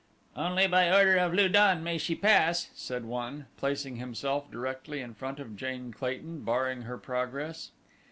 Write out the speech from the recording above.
"Only by order of Lu don may she pass," said one, placing himself directly in front of Jane Clayton, barring her progress.